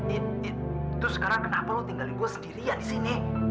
itu sekarang kenapa lo tinggalin gue sendirian disini